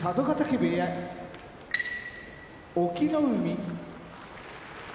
部屋隠岐の海